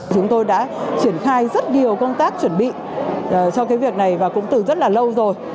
chúng tôi đã triển khai rất nhiều công tác chuẩn bị cho cái việc này và cũng từ rất là lâu rồi